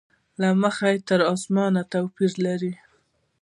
له مځکې تر اسمانه توپیر لري.